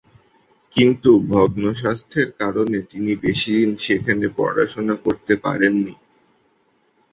কিন্তু ভগ্ন স্বাস্থ্যের কারণে তিনি বেশি দিন সেখানে পড়াশুনা করতে পারেননি।